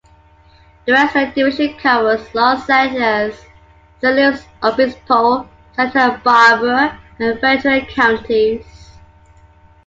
The Western Division covers Los Angeles, San Luis Obispo, Santa Barbara, and Ventura Counties.